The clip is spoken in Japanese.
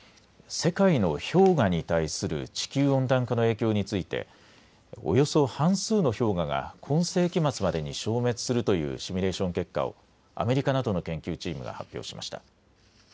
世界の氷河に対する地球温暖化の影響についておよそ半数の氷河が今世紀末までに消滅するというシミュレーション結果をアメリカなどの研究チームが発表しました。